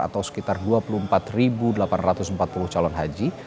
atau sekitar dua puluh empat delapan ratus empat puluh calon haji